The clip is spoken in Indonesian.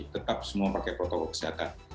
tetap semua pakai protokol kesehatan